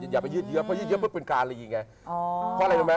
อย่าไปยืดเยอะเพราะยืดเยอะเพิ่งเป็นการอะไรอีกไง